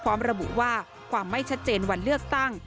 พร้อมระบุว่าความไม่ชัดเจนวันเลือกตั้ง